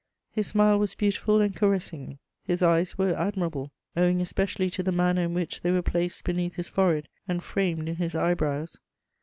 His smile was beautiful and caressing; his eyes were admirable, owing especially to the manner in which they were placed beneath his forehead and framed in his eyebrows.